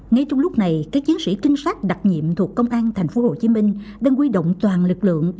ngay trong lúc này các chiến sĩ trinh sát đặc nhiệm thuộc công an tp hcm đang quy động toàn lực lượng